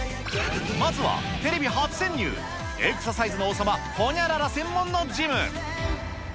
まずはテレビ初潜入、エクササイズの王様、ホニャララ専門のジム。